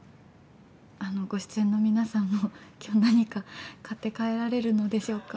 ご出演の皆さんも今日何か買って帰られるのでしょうか。